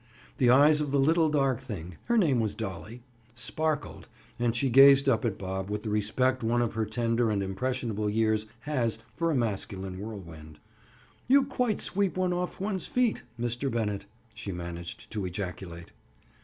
The eyes of the little dark thing—her name was Dolly—sparkled, and she gazed up at Bob with the respect one of her tender and impressionable years has for a masculine whirlwind. "You quite sweep one off one's feet, Mr. Bennett," she managed to ejaculate.